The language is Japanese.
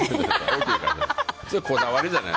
それこだわりじゃない。